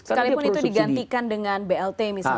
sekalipun itu digantikan dengan blt misalnya